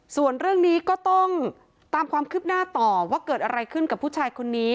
ส่วนเรื่องนี้ก็ต้องตามความคืบหน้าต่อว่าเกิดอะไรขึ้นกับผู้ชายคนนี้